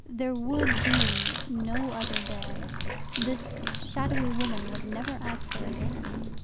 There would be no other day. This shadowy woman would never ask her again.